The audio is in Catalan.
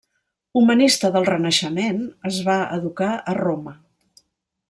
Humanista del Renaixement, es va educar a Roma.